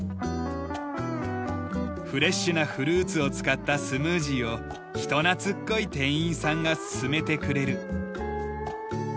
フレッシュなフルーツを使ったスムージーを人懐っこい店員さんが薦めてくれる。